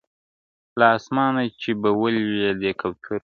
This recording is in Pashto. • له آسمانه چي به ولیدې کوترو -